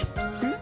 ん？